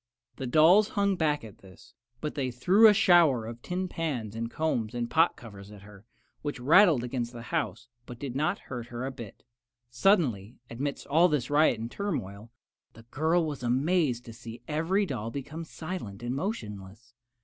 The dolls hung back at this, but they threw a shower of tin pans and combs and pot covers at her, which rattled against the house, but did not hurt her a bit. Suddenly, amidst all this riot and turmoil, the girl was amazed to see every doll become silent and motionless.